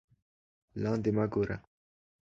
لاندې مه گوره